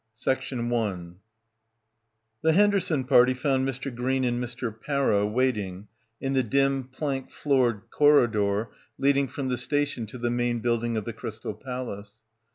250 CHAPTER IX THE Henderson party found Mr. Green and Mr. Parrow waiting in the dim plank floored corridor leading from the station to the main building of the Crystal Palace.